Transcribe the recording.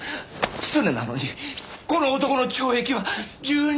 それなのにこの男の懲役は１２年！